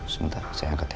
sebentar saya angkat ya